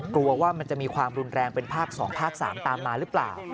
กลัวว่ามันจะมีความรุนแรงเป็นภาค๒ภาค๓ตามมาหรือเปล่า